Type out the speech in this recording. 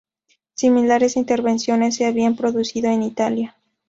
Similares intervenciones se habían producido en Italia.